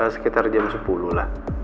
sekitar jam sepuluh lah